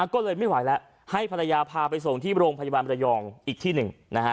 ก็เลยไม่ไหวแล้วให้ภรรยาพาไปส่งที่โรงพยาบาลระยองอีกที่หนึ่ง